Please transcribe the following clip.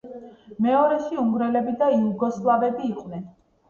მეორეში უნგრელები და იუგოსლავიელები იყვნენ.